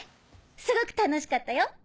すごく楽しかったよ！